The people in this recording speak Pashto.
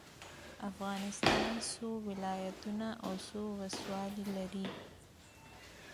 افغانستان څو ولايتونه او څو ولسوالي لري؟